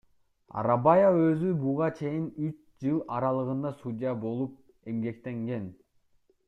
Арабаев өзү буга чейин үч жыл аралыгында судья болуп эмгектенген.